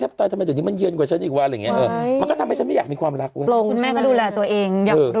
เอ้าตายแล้วคุณ